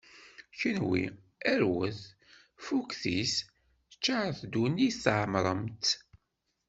Kenwi, arwet, ffuktit, ččaṛet ddunit tɛemṛem-tt.